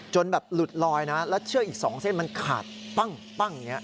แบบหลุดลอยนะแล้วเชือกอีก๒เส้นมันขาดปั้งอย่างนี้